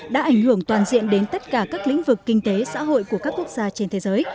đã ảnh hưởng toàn diện đến tất cả các lĩnh vực kinh tế xã hội của các quốc gia trên thế giới